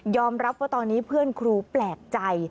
รับว่าตอนนี้เพื่อนครูแปลกใจ